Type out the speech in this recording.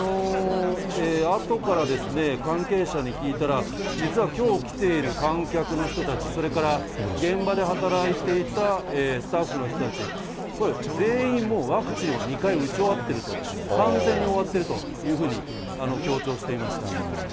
あとから関係者に聞いたら、実はきょう来ている観客の人たち、それから現場で働いていたスタッフの人たち、これ、全員もう、ワクチンを２回打ち終わってると、完全に終わってるというふうに強調していました。